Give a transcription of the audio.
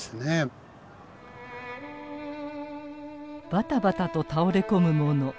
バタバタと倒れ込む者。